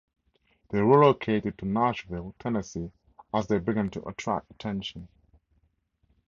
They relocated to Nashville, Tennessee as they began to attract attention.